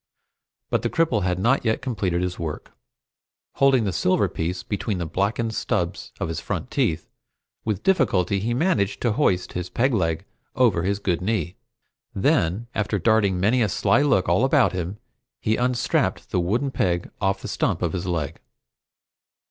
But the cripple had not yet completed his work. Holding the silver piece between the blackened stubs of his front teeth, with difficulty he managed to hoist his peg leg over his good knee. Then, after darting many a sly look all about him, he unstrapped the wooden peg off the stump of his leg.